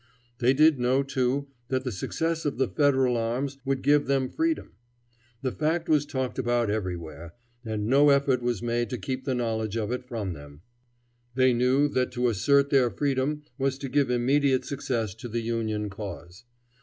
They did know, too, that the success of the Federal arms would give them freedom. The fact was talked about everywhere, and no effort was made to keep the knowledge of it from them. They knew that to assert their freedom was to give immediate success to the Union cause.